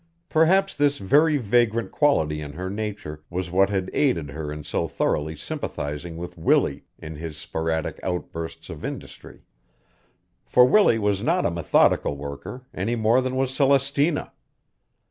Perhaps this very vagrant quality in her nature was what had aided her in so thoroughly sympathizing with Willie in his sporadic outbursts of industry. For Willie was not a methodical worker any more than was Celestina.